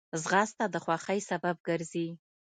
ځغاسته د خوښۍ سبب ګرځي